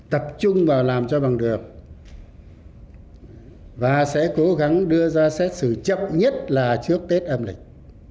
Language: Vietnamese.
tập trung vào làm cho bằng được và sẽ cố gắng đưa ra xét xử chậm nhất là trước tết âm lịch